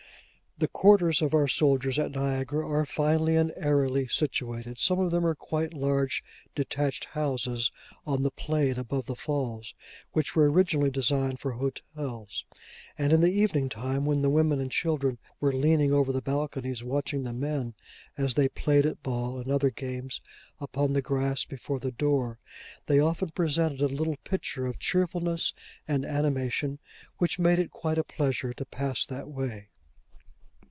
The quarters of our soldiers at Niagara, are finely and airily situated. Some of them are large detached houses on the plain above the Falls, which were originally designed for hotels; and in the evening time, when the women and children were leaning over the balconies watching the men as they played at ball and other games upon the grass before the door, they often presented a little picture of cheerfulness and animation which made it quite a pleasure to pass that way.